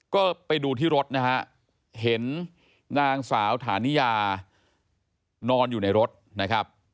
ก็ไปดูที่รถนะฮะเห็นนางสาวฐานิยานอนอยู่ในรถนะครับ